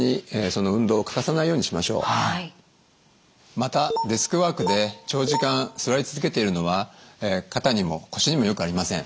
またデスクワークで長時間座り続けているのは肩にも腰にもよくありません。